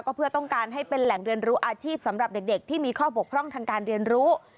ก็เพื่อต้องการให้เป็นแหล่งเรียนรู้อาชีพสำหรับเด็กที่มีข้อบกพร่องทางการเรียนรู้